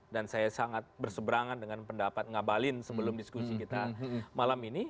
dan saya sangat berseberangan dengan pendapat ngabalin sebelum diskusi kita malam ini